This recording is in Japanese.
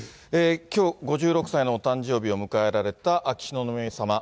きょう５６歳のお誕生日を迎えられた秋篠宮さま。